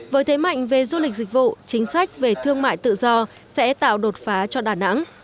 với thế mạnh về du lịch dịch vụ chính sách về thương mại tự do sẽ tạo đột phá cho đà nẵng